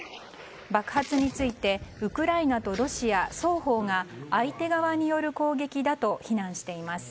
爆発についてウクライナとロシア双方が相手側による攻撃だと非難しています。